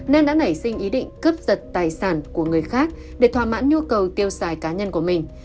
nên đã nảy sinh ý định cướp giật tài sản của người khác để thỏa mãn nhu cầu tiêu xài cá nhân của mình